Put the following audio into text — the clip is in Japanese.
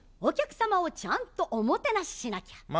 お客様をちゃんとおもてなししなきゃ。